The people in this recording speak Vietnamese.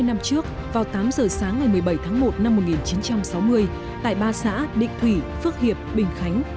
sáu mươi năm trước vào tám giờ sáng ngày một mươi bảy tháng một năm một nghìn chín trăm sáu mươi tại ba xã định thủy phước hiệp bình khánh